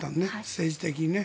政治的にね。